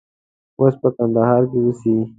اوس په کندهار کې اوسي.